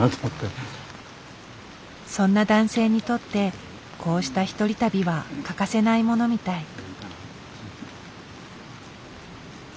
そんな男性にとってこうした一人旅は欠かせないものみたい。